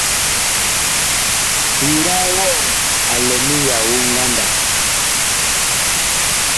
Ŋgaa wɔɔ a lɛ miyao ngandag.